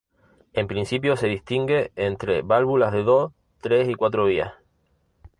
En principio se distingue entre válvulas de dos, tres y cuatro vías.